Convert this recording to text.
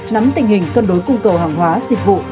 nắm tình hình cân đối cung cầu hàng hóa dịch vụ